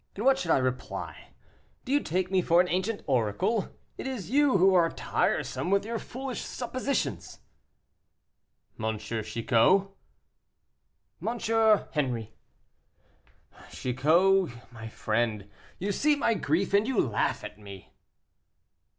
"And what should I reply? Do you take me for an ancient oracle? It is you who are tiresome with your foolish suppositions." "M. Chicot?" "M. Henri." "Chicot, my friend, you see my grief and you laugh at me."